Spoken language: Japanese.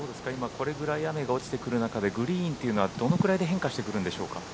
これぐらい今雨が落ちてくる中でグリーンというのはどのくらいで変化してくるんでしょうか？